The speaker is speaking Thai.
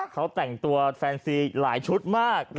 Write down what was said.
เขาแต่งตัวแฟนซีหลายชุดมาก